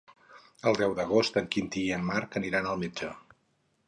El deu d'agost en Quintí i en Marc aniran al metge.